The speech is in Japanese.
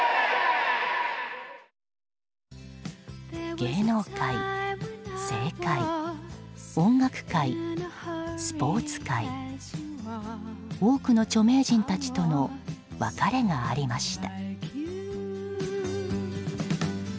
芸能界、政界、音楽界スポーツ界多くの著名人たちとの別れがありました。